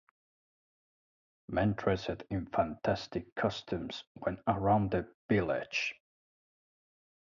Men dressed in fantastic costumes went around the village.